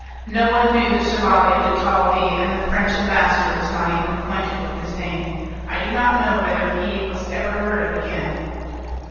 No one knew the Chevalier de Talvis, and the French ambassador was not even acquainted with his name. I do not know whether he was ever heard of again.